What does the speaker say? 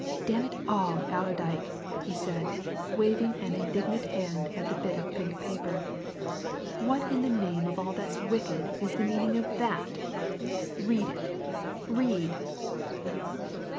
"Damn it all, Allerdyke!" he said, waving an indignant hand at the bit of pink paper. "What in the name of all that's wicked is the meaning of that? Read it read!"